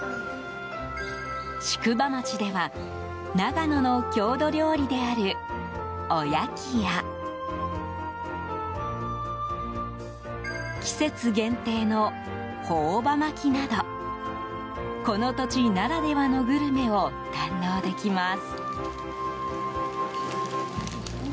宿場町では長野の郷土料理であるおやきや季節限定の朴葉巻などこの土地ならではのグルメを堪能できます。